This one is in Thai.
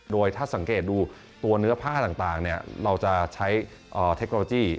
โดยถ้าสังเกตดูตัวเนื้อผ้าต่างเราจะใช้เทคโนโลยี